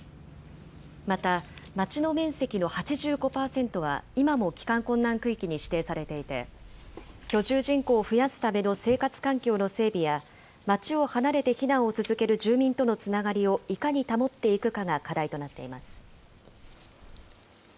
また、町の面積の８５％は今も帰還困難区域に指定されていて、居住人口を増やすための生活環境の整備や、町を離れて避難を続ける住民とのつながりをいかに保っていくかが課題となっています。